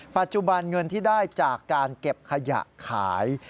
ปัจจุบันเงินที่ได้จากการเก็บขยะขาย